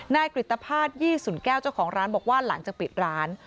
กริตภาษยี่สุนแก้วเจ้าของร้านบอกว่าหลังจากปิดร้าน